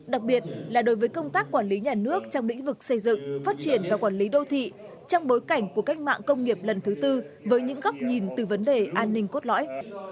đặc biệt là đối với công tác quản lý nhà nước trong lĩnh vực xây dựng phát triển và quản lý đô thị trong bối cảnh của cách mạng công nghiệp lần thứ tư với những góc nhìn từ vấn đề an ninh cốt lõi